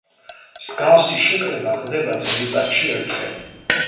მსგავსი შეკრება ხდება წელიწადში ერთხელ.